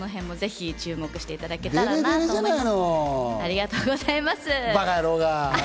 注目していただけたらと思います。